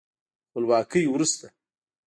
خپلواکۍ وروسته